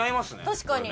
確かに。